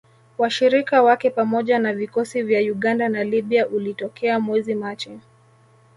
Washirika wake pamoja na vikosi vya Uganda na Libya ulitokea mwezi Machi